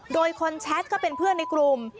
โดยคนแชทก็เป็นเพื่อนในกลุ่ม